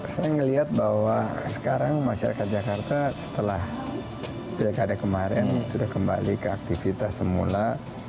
saya melihat bahwa sekarang masyarakat jakarta setelah pilkada kemarin sudah kembali ke aktivitas semula